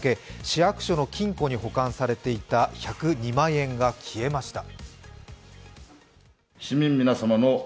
市役所の金庫に保管されていた１０２万円が消えました。